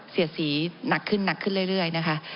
เสียดศรีหนักขึ้นเรื่อยนะคะ